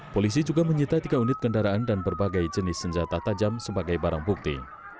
polisi juga menyita tiga unit kendaraan dan berbagai jenis senjata tajam sebagai barang bukti